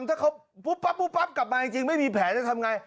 ถ้าเขาปุ๊บปั๊บกลับมาจริงไม่มีแผลจะทำไง